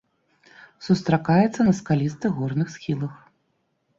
Сустракаецца на скалістых горных схілах.